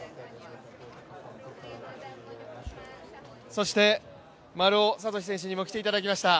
そして丸尾知司選手にも来ていただきました。